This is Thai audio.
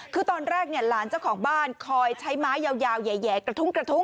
คือตอนแรกเนี่ยหลานเจ้าของบ้านคอยใช้ไม้ยาวใหญ่กระทุ้ง